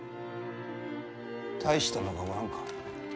大したのがおらんか。